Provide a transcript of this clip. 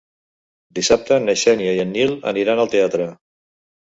Dissabte na Xènia i en Nil aniran al teatre.